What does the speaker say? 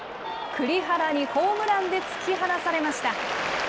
栗原にホームランで突き放されました。